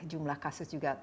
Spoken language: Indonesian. jumlah kasus juga terbatas